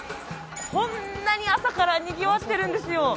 こんなに朝からにぎわってるんですよ